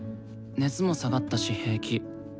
熱も下がったし平気。